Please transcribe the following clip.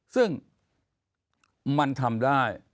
ซึ่งมันทำได้